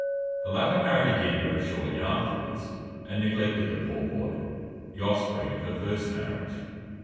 The latter married again very shortly afterwards, and neglected the poor boy, the offspring of her first marriage.